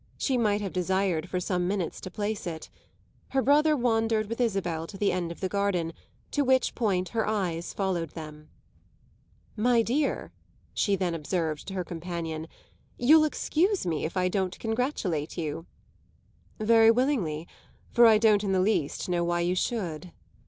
She might have desired for some minutes to place it. Her brother wandered with Isabel to the end of the garden, to which point her eyes followed them. "My dear," she then observed to her companion, "you'll excuse me if I don't congratulate you!" "Very willingly, for I don't in the least know why you should."